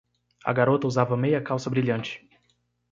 A garota usava meia-calça brilhante.